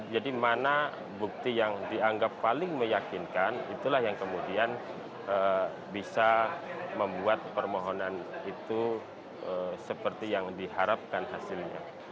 jadi mana bukti yang dianggap paling meyakinkan itulah yang kemudian bisa membuat permohonan itu seperti yang diharapkan hasilnya